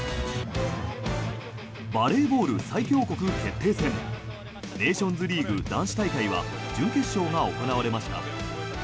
バレーボール最強国決定戦ネーションズリーグ男子大会は準決勝が行われました。